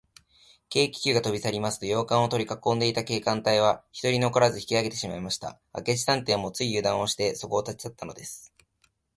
軽気球がとびさりますと、洋館をとりかこんでいた警官隊は、ひとり残らず引きあげてしまいました。明智探偵も、ついゆだんをして、そこを立ちさったのです。